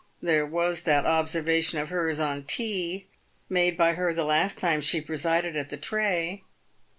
There was that observation of hers on tea, made by her the last time she presided at the tray.